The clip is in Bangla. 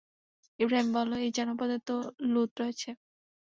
ইবরাহীম বলল, এই জনপদে তো লূত রয়েছে।